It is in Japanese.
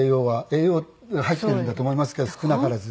栄養入ってるんだと思いますけど少なからず。